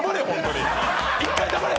一回黙れ！